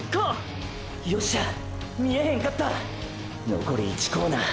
のこり１コーナー！！